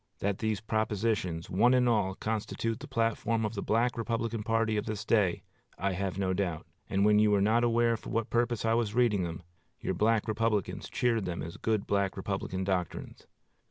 That these propositions, one and all, constitute the platform of the Black Republican party of this day, I have no doubt; and when you were not aware for what purpose I was reading them, your Black Republicans cheered them as good Black Republican doctrines.